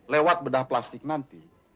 lewat bedah plastik nanti